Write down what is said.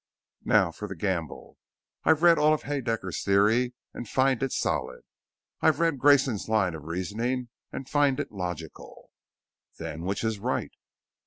"Now for the gamble. I've read all of Haedaecker's Theory and find it solid. I've read Grayson's line of reasoning and find it logical." "Then which is right?"